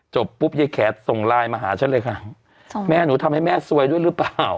ปุ๊บยายแขดส่งไลน์มาหาฉันเลยค่ะส่งแม่หนูทำให้แม่ซวยด้วยหรือเปล่า